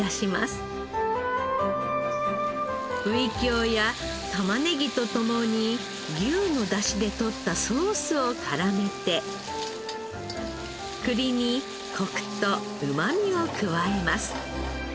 ウイキョウや玉ねぎと共に牛のだしで取ったソースを絡めて栗にコクとうまみを加えます。